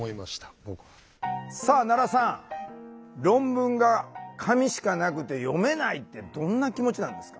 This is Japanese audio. さあ奈良さん論文が紙しかなくて読めないってどんな気持ちなんですか？